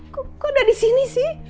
kok ada di sini